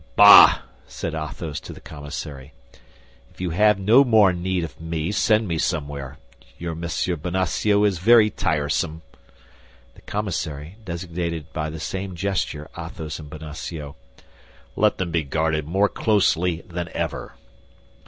"Bah!" said Athos to the commissary, "if you have no more need of me, send me somewhere. Your Monsieur Bonacieux is very tiresome." The commissary designated by the same gesture Athos and Bonacieux, "Let them be guarded more closely than ever."